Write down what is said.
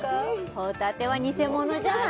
ホタテは偽物じゃない？